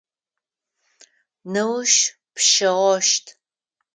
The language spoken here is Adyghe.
Неущ пщэгъощт.